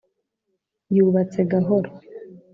yubatse gahoro,